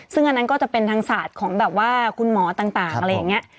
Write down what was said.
ซึ่งอันนั้นก็จะเป็นทางศาสตร์ของแบบว่าคุณหมอต่างอะไรอย่างนี้